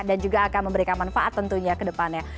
dan juga akan memberikan manfaat tentunya kedepannya